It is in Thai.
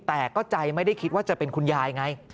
แต่ก็ใจไม่ได้คิดว่าจะเป็นคุณยายไง